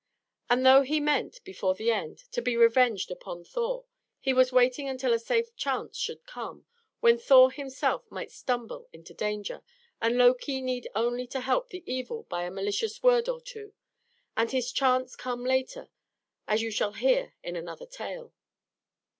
And though he meant, before the end, to be revenged upon Thor, he was waiting until a safe chance should come, when Thor himself might stumble into danger, and Loki need only to help the evil by a malicious word or two; and this chance came later, as you shall hear in another tale.